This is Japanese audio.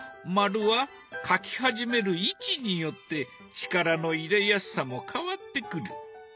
丸は描き始める位置によって力の入れやすさも変わってくる。